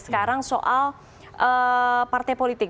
sekarang soal partai politik